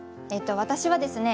私はですね